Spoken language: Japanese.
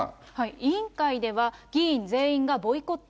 委員会では議員全員がボイコット。